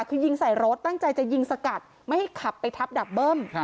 คือยิงใส่รถตั้งใจจะยิงสกัดไม่ให้ขับไปทับดับเบิ้ม